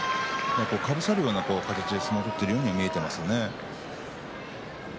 かぶさるような形で相撲を取っているように見えます。